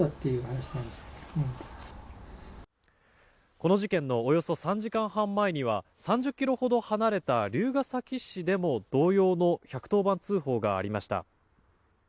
この事件のおよそ３時間半前には３０ｋｍほど離れた龍ケ崎市でも同様の１１０番通報がありました。